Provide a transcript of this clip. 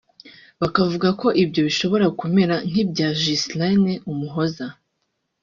bakavuga ko ibye bishobora kumera nk’ibya Ghislaine Umuhoza